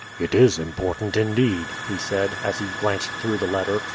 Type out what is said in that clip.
"It is important, indeed," he said, as he glanced through the letter.